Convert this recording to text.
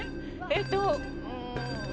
えーっと。